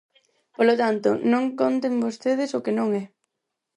Polo tanto, non conten vostedes o que non é.